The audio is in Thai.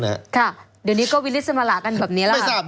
เดี๋ยวนี้ก็วิฤติสมราเบื้องก็กันแบบนี้ล่ะ